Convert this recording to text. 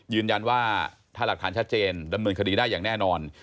ยืนยันว่าถ้าหลักฐานชัดเจนดำเนินคดีได้อย่างแน่นอน